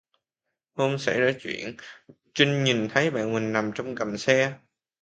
hôm sảy ra truyện, Trinh nhìn thấy bạn mình nằm trong gầm xe